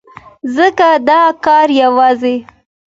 ځکه دا کار يوازې